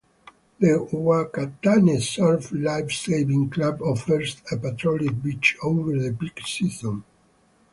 The Whakatane Surf Lifesaving Club offers a patrolled beach over the peak season.